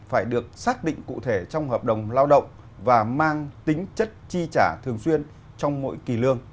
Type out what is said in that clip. phải được xác định cụ thể trong hợp đồng lao động và mang tính chất chi trả thường xuyên trong mỗi kỳ lương